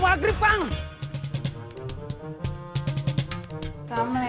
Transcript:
pulang dapat hasilnya